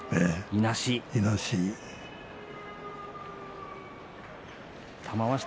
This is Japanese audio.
いなし。